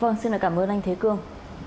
vâng xin cảm ơn anh thế cương